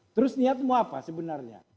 terus niatmu apa sebenarnya